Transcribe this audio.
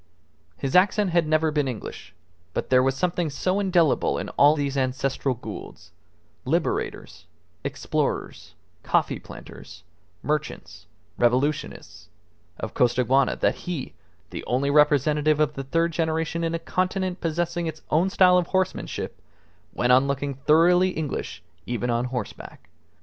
His accent had never been English; but there was something so indelible in all these ancestral Goulds liberators, explorers, coffee planters, merchants, revolutionists of Costaguana, that he, the only representative of the third generation in a continent possessing its own style of horsemanship, went on looking thoroughly English even on horseback.